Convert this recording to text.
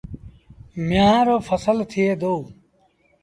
ميݩهآن رو ڦسل ٿئي دو۔